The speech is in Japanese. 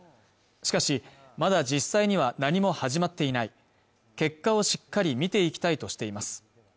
しかしまだ実際には何も始まっていない結果をしっかり見ていきたいとしています